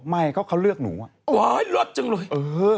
ดาราบอกมันเลือกหนูอ๋อหุ้ยรวบจึงเลย